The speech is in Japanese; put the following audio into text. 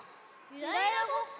ゆらゆらごっこ？